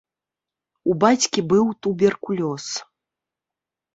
У бацькі быў туберкулёз.